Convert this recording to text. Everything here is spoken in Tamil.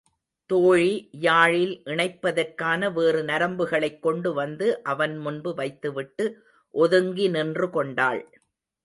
தோழி யாழில் இணைப்பதற்கான வேறு நரம்புகளைக் கொண்டு வந்து அவன் முன்பு வைத்துவிட்டு ஒதுங்கி நின்று கொண்டாள்.